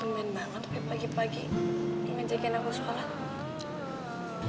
bumbin banget pagi pagi ingin jagain aku sholat